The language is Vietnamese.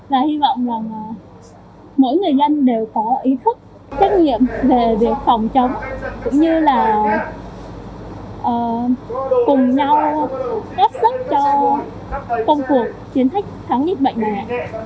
và hy vọng là mỗi người doanh đều có ý thức trách nhiệm về việc phòng chống cũng như là cùng nhau ép sức cho công cuộc chiến thách thắng dịch bệnh này